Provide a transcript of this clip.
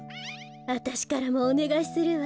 あたしからもおねがいするわ。